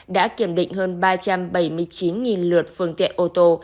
đã kiểm định hơn ba trăm bảy mươi chín lượt phương tiện ô tô